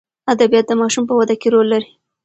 ادبیات د ماشوم په وده کې رول لري.